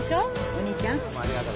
お兄ちゃん。